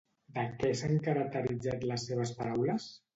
De què s'han caracteritzat les seves paraules?